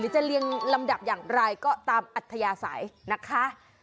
หรือจะเร่งลำดับอย่างไรก็ตามอัธยัสัยนะฮะ